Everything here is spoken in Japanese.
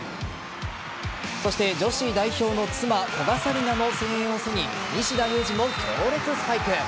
そして女子代表の妻・古賀紗理那の声援を背に西田有志も強烈スパイク。